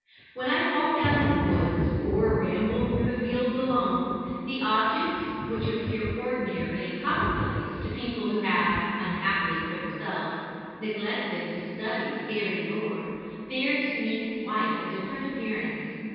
When I walk out in the woods, or ramble through the fields alone, the objects which appear ordinary and commonplace to people who have, unhappily for themselves, neglected to study Fairy Lore, bear to me quite a different appearance.